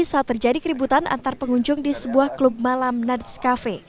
saat terjadi keributan antar pengunjung di sebuah klub malam nads cafe